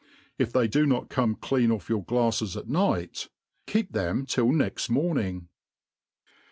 . If they do not come clean ott your glafles at night, keep them till next morning.